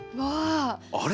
あれ？